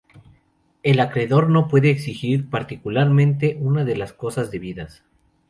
El acreedor no puede exigir particularmente una de las cosas debidas.